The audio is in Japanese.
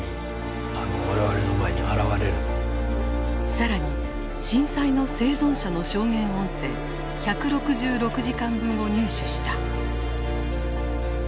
更に震災の生存者の証言音声１６６時間分を入手した。